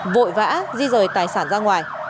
vội vã di rời tài sản ra ngoài